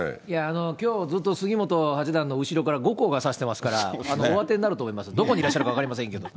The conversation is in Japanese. きょうずっと杉本八段の後ろから後光が差してますから、お当てになると思います、どこにいらっしゃるか分かりませんけど。